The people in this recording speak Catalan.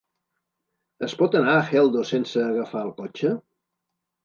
Es pot anar a Geldo sense agafar el cotxe?